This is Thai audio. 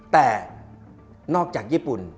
แต่นอกจากญี่ปุ่น